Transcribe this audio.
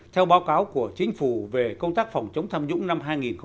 theo báo cáo của chính phủ về công tác phòng chống tham nhũng năm hai nghìn một mươi chín